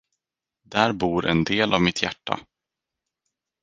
Där bor en del av mitt hjärta.